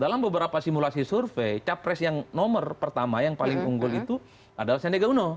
dalam beberapa simulasi survei capres yang nomor pertama yang paling unggul itu adalah sendega uno